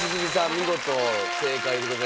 見事正解でございます。